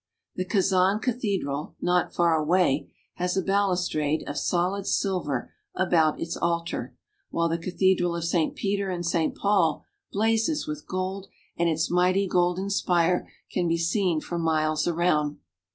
The Kazan cathedral, not far away, has a balustrade of Saint Isaac's Cathedral. solid silver about its altar; while the cathedral of Saint Peter and Saint Paul blazes with gold, and its mighty golden spire can be seen for miles around.